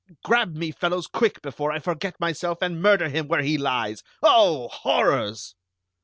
Grab me, fellows, quick, before I forget myself and murder him where he lies! Oh, horrors!"